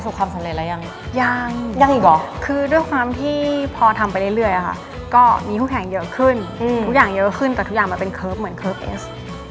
ความสำเร็จแล้วยังยังอีกเหรอคือด้วยความที่พอทำไปเรื่อยอะค่ะก็มีคู่แข่งเยอะขึ้นทุกอย่างเยอะขึ้นแต่ทุกอย่างมันเป็นเคิร์ฟเหมือนเคิร์ฟเอส